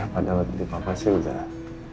eh pada waktu di papa sih udah